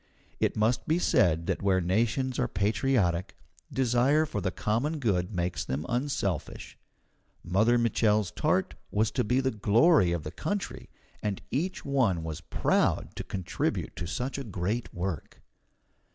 It must be said that where nations are patriotic, desire for the common good makes them unselfish. Mother Mitchel's tart was to be the glory of the country, and each one was proud to contribute to such a great work.